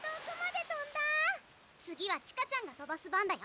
次は千歌ちゃんが飛ばす番だよ。